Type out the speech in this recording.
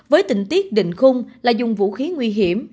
với tình tiết định khung là dùng vũ khí nguy hiểm